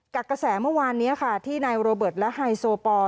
กระแสเมื่อวานนี้ค่ะที่นายโรเบิร์ตและไฮโซปอร์